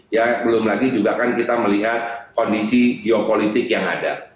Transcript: ya belum lagi juga kan kita melihat kondisi geopolitik yang ada